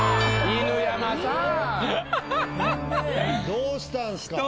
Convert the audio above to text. どうしたんすか。